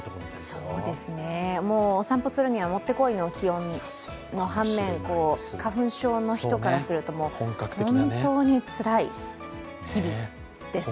お散歩するにはもってこいの気温の反面、花粉症の人からすると、本当につらい日々です。